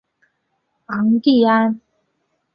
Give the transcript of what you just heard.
昂蒂安。